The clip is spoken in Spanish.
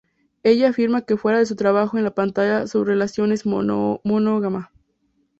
Ella afirma que fuera de su trabajo en la pantalla, su relación es monógama.